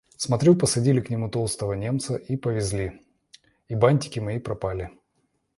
Смотрю, посадили к нему толстого Немца и повезли... И бантики мои пропали!..